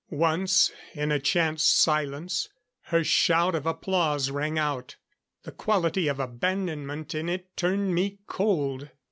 Once, in a chance silence, her shout of applause rang out. The quality of abandonment in it turned me cold.